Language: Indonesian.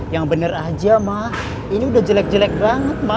yang bener aja mah ini udah jelek jelek banget ma